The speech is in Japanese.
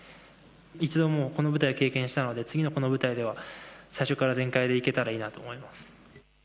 一度、もうこの舞台を経験したので、次のこの舞台では、最初から全開でいけたらいいなと思います。